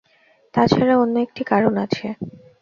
তা ছাড়া অন্য একটি কারণ আছে।